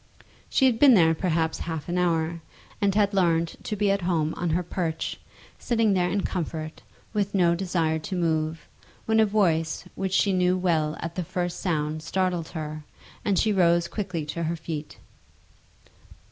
She had been there perhaps half an hour, and had learned to be at home on her perch, sitting there in comfort, with no desire to move, when a voice which she well knew at the first sound startled her, and she rose quickly to her feet.